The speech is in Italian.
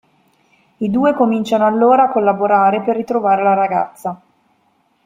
I due cominciano allora a collaborare per ritrovare la ragazza.